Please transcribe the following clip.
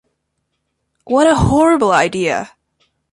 What a horrible idea!